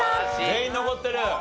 全員残ってる。